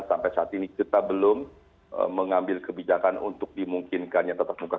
dan sampai saat ini kita belum mengambil kebijakan untuk dimungkinkannya tatap muka